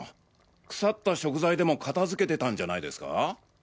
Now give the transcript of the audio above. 腐った食材でも片付けてたんじゃないですか？